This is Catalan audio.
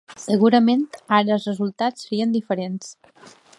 Segurament, ara els resultats serien diferents.